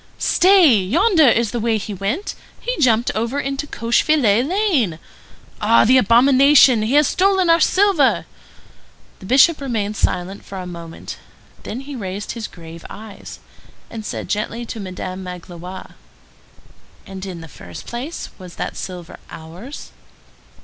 "Stay! yonder is the way he went. He jumped over into Cochefilet Lane. Ah, the abomination! He has stolen our silver!" The Bishop remained silent for a moment; then he raised his grave eyes, and said gently to Madame Magloire:— "And, in the first place, was that silver ours?"